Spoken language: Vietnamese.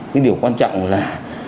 cái điều quan trọng là